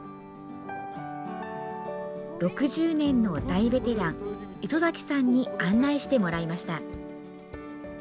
６０年の大ベテラン、磯崎さんに案内してもらいました。